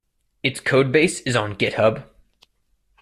Its codebase is on GitHub.